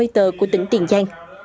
một trăm ba mươi tờ của tỉnh tiền giang